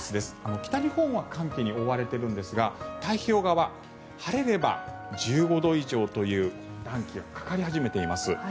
北日本は寒気に覆われているんですが太平洋側、晴れれば１５度以上という暖気がかかり始めています。